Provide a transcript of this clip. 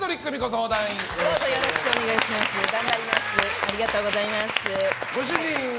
ありがとうございます。